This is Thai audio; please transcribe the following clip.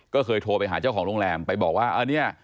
ก็เคยโทรไปหาเจ้าของโรงแรมไปบอกว่าเนี่ย